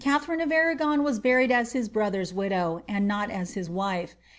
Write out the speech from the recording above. Katharine of Arragon was buried as his brother's widow, and Dot as his wife.